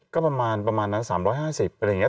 ก็ประมาณนั้น๓๕๐อะไรอย่างนี้